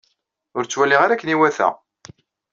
Ur ttwaliɣ ara akken iwata.